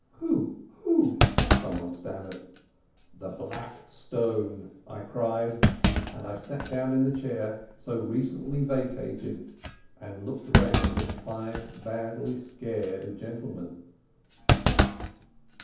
"Who—who—" someone stammered. "The Black Stone," I cried, and I sat down in the chair so recently vacated and looked round at five badly scared gentlemen.